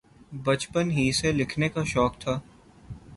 بچپن ہی سے لکھنے کا شوق تھا۔